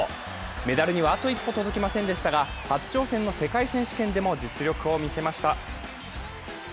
メダルにはあと一歩届きませんでしたが初挑戦の世界選手権でも実力を見せました。